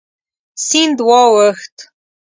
سیند واوښت.